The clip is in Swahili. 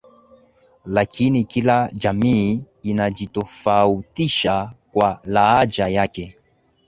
lakini kila jamii inajitofautisha kwa lahaja yake